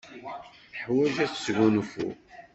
Teḥwaj ad tesgunfu.